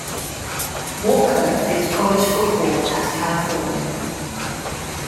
Walker played college football at California.